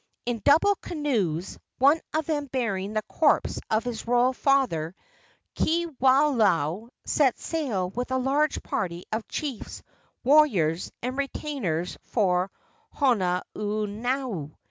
In double canoes, one of them bearing the corpse of his royal father, Kiwalao set sail with a large party of chiefs, warriors and retainers for Honaunau.